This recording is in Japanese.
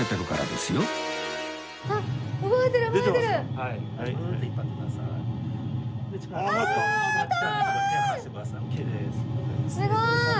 すごい！